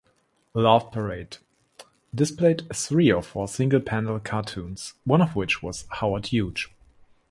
"Laugh Parade" displayed three or four single-panel cartoons, one of which was "Howard Huge".